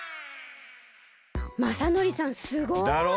まさのりさんすごい！だろ？